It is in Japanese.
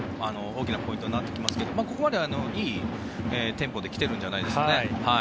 大きなポイントになってきますがここまでいいテンポで来てるんじゃないんですかね。